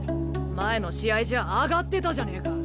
前の試合じゃ上がってたじゃねえか。